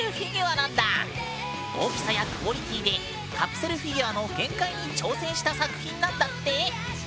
大きさやクオリティーでカプセルフィギュアの限界に挑戦した作品なんだって。